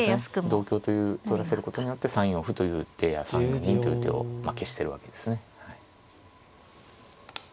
同香という取らせることによって３四歩という手や３四銀という手を消してるわけですね。